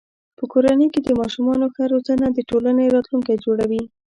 په کورنۍ کې د ماشومانو ښه روزنه د ټولنې راتلونکی جوړوي.